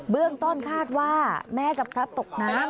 เรื่องต้นคาดว่าแม่จะพลัดตกน้ำ